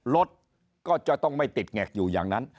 รถก็จะต้องไม่ติดแงกอยู่อย่างนั้น